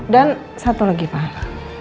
dan satu lagi pak